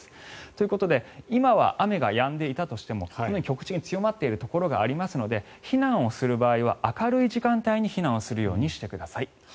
ということは今は雨がやんでいたとしても局地的に強まっているところがありますので避難をする場合は明るい時間帯に避難するようにしてください。